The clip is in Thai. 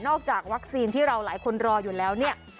จากวัคซีนที่เราหลายคนรออยู่แล้วเนี่ย